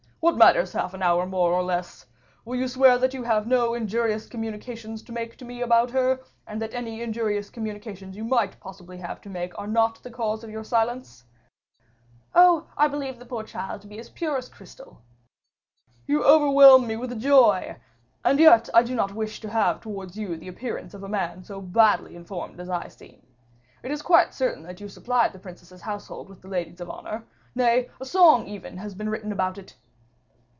What matters half an hour more or less? Will you swear that you have no injurious communications to make to me about her, and that any injurious communications you might possibly have to make are not the cause of your silence?" "Oh! I believe the poor child to be as pure as crystal." "You overwhelm me with joy. And yet I do not wish to have towards you the appearance of a man so badly informed as I seem. It is quite certain that you supplied the princess's household with the ladies of honor. Nay, a song has even been written about it."